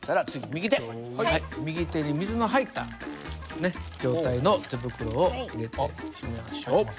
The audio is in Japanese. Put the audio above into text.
右手に水の入った状態の手袋を入れてみましょう。